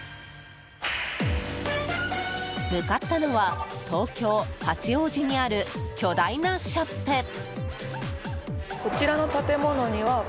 向かったのは東京・八王子にある巨大なショップ。